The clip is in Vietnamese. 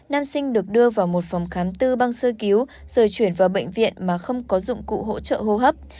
nam sinh được đưa vào một phòng khám tư băng sơ cứu rồi chuyển vào bệnh viện mà không có dụng cụ hỗ trợ hô hấp